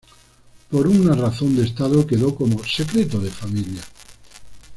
Por una razón de Estado quedó como "secreto de familia".